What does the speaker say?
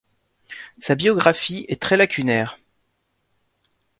Sa biographie est très lacunaire.